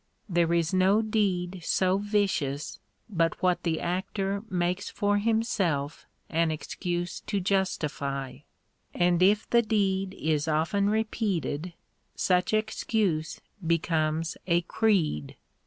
There is no deed so vicious but what the actor makes for himself an excuse to justify ; and if the deed is often repeated, such excuse becomes a creed.